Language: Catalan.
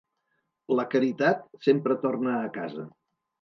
La caritat sempre torna a casa.